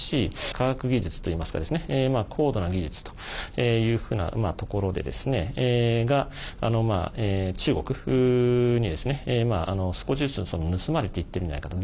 科学技術といいますか高度な技術というふうなところが中国に、少しずつ盗まれていってるんじゃないかと。